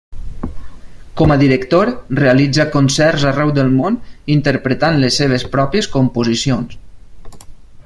Com a director, realitza concerts arreu del món, interpretant les seves pròpies composicions.